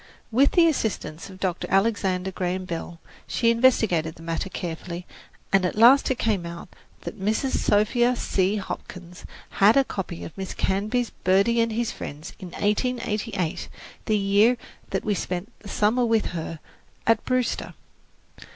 With the assistance of Dr. Alexander Graham Bell, she investigated the matter carefully, and at last it came out that Mrs. Sophia C. Hopkins had a copy of Miss Canby's "Birdie and His Friends" in 1888, the year that we spent the summer with her at Brewster.